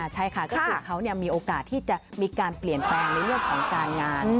ใช่ค่ะก็คือเขามีโอกาสที่จะมีการเปลี่ยนแปลงในเรื่องของการงาน